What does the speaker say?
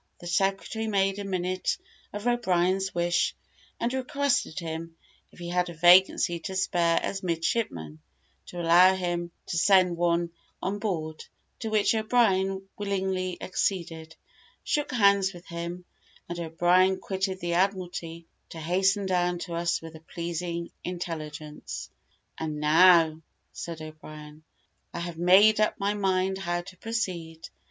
The secretary made a minute of O'Brien's wish, and requested him, if he had a vacancy to spare as midshipman, to allow him to send one on board; to which O'Brien willingly acceded, shook hands with him, and O'Brien quitted the Admiralty to hasten down to us with the pleasing intelligence. "And now," said O'Brien, "I have made up my mind how to proceed.